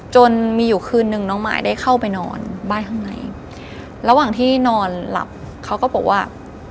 จนมีอยู่คืนนึงน้องมายได้เข้าไปนอนบ้านข้างในระหว่างที่นอนหลับเขาก็บอกว่า